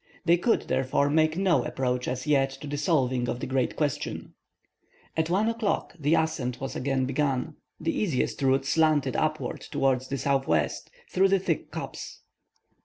They could, therefore, make no approach as yet to the solving of the great question. At 1 o'clock, the ascent was again begun. The easiest route slanted upwards towards the southwest, through the thick copse.